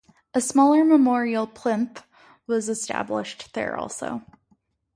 A smaller memorial plinth was established there also.